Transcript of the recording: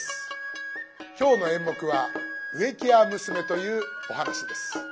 今日の演目は「植木屋娘」というお噺です。